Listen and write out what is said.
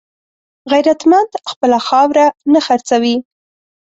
غیرتمند خپله خاوره نه خرڅوي